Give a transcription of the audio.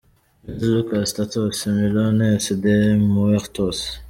Jose Lucas Tantos millones de muertos